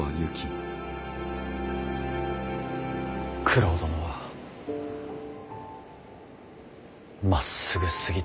九郎殿はまっすぐすぎたのです。